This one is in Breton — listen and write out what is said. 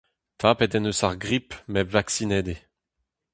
Tapet en deus ar grip met vaksinet eo.